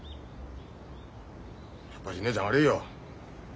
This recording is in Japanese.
やっぱし姉ちゃん悪いよ。